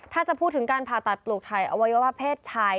ถ้าจะพูดถึงการผ่าตัดปลูกถ่ายอวัยวะเพศชาย